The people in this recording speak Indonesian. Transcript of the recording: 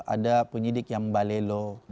ada penyidik yang balelo